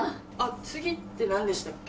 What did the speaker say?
次って何でしたっけ？